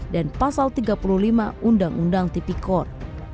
dan pasal tiga puluh lima undang undang tipikor